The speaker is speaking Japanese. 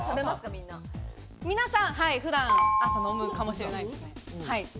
皆さん普段朝飲むかもしれないです。